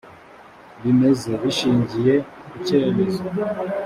bimeze bishingiye ku cyemezo